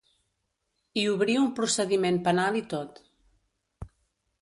I obrir un procediment penal i tot.